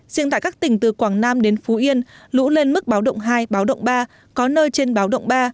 riêng tại các tỉnh từ quảng nam đến phú yên lũ lên mức báo động hai báo động ba có nơi trên báo động ba